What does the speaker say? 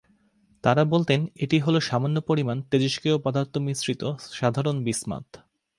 তারা বলতেন, এটি হল সামান্য পরিমাণ তেজস্ক্রিয় পদার্থ মিশ্রিত সাধারণ বিসমাথ।